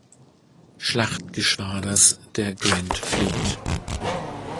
Schlachtgeschwaders der Grand Fleet.